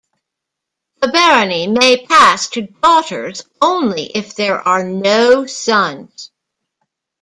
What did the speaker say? The barony may pass to daughters only if there are no sons.